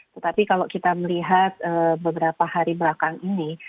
tetapi kalau kita melihat beberapa hari belakang ini